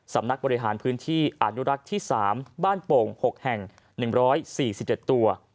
สำนักบริหารพื้นที่อนุรักษ์ที่๓บ้านโป่ง๖แห่ง๑๔๗ตัว